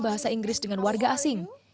bahasa inggris dengan warga asing